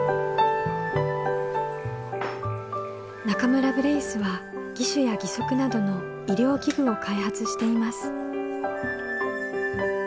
中村ブレイスは義手や義足などの医療器具を開発しています。